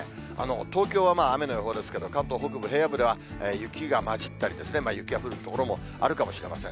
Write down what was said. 東京はまあ雨の予報ですけど、関東北部、平野部では雪が交じったり、雪が降る所もあるかもしれません。